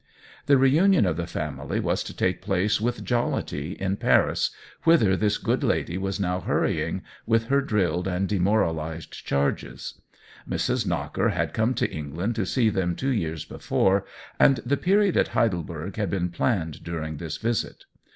THE WHEEL OF TIME 7 The reunion of the family was to take place with jollity in Paris, whither this good lady was now hurrying with her drilled and de moralized charges. Mrs. Knocker had come to England to see them two years before, and the period at Heidelberg had been planned during this visit.